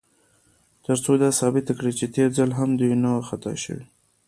تر څو دا ثابته کړي، چې تېر ځل هم دوی نه و خطا شوي.